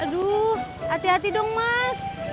aduh hati hati dong mas